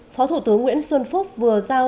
phó thủ tướng nguyễn xuân phúc vừa giao